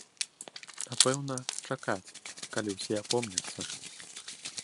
Напэўна, чакаць, калі ўсе апомняцца.